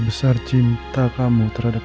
ini adalah daya tentang keberuntungan atauoit